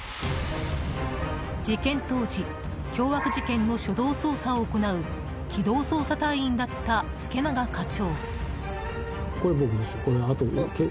事件当時凶悪事件の初動捜査を行う機動捜査隊員だった助永課長。